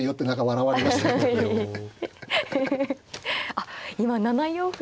あっ今７四歩と。